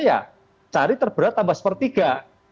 ya cari terberat tambah sepertiga